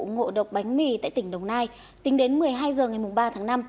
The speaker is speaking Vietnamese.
vụ vận chuyển của ngộ độc bánh mì tại tỉnh đồng nai tính đến một mươi hai h ngày ba tháng năm